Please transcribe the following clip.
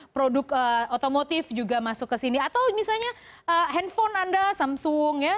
produk otomotif juga masuk ke sini atau misalnya handphone anda samsung ya